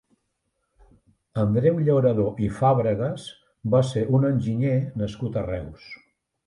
Andreu Llauradó i Fàbregas va ser un enginyer nascut a Reus.